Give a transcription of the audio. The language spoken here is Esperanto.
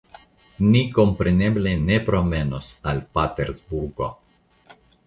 Ni kompreneble ne promenos al Patersburgo.